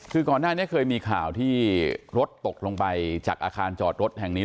คือก่อนหน้านี้เคยมีข่าวที่รถตกลงไปจากอาคารจอดรถแห่งนี้